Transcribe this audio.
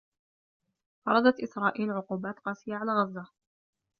فرضت إسرائيل عقوبات قاسية على غزّة.